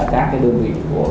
các cái đơn vị của